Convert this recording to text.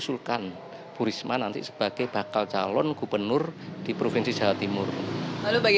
maka dari itu nantinya tidak salah kalau dewan pimpinan cabang kota surabaya ini